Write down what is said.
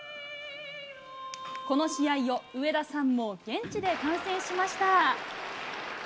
この試合を上田さんも現地で観戦しました。